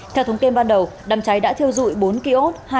theo thông tin ban đầu đám cháy đã thiêu dụi bốn kiosk